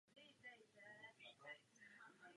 Obtížím čelí především středomořské státy.